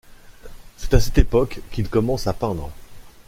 C'est à cette époque qu'il commence à peindre.